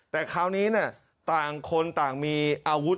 แต่คราวนี้ต่างคนต่างมีอาวุธ